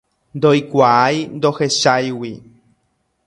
Ndoikuaái ndohecháigui.